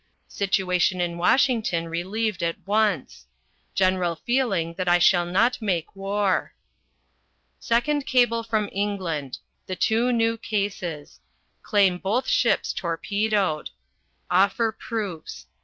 Situation in Washington relieved at once. General feeling that I shall not make war. Second Cable from England. The Two New Cases. Claim both ships torpedoed. Offer proofs.